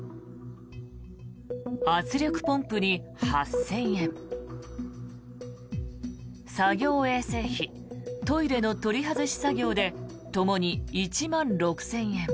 圧力ポンプに８０００円作業衛生費トイレの取り外し作業でともに１万６０００円。